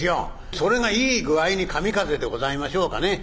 それがいい具合に神風でございましょうかね？